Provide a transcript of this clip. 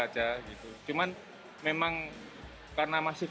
aja gitu cuman memang karena masih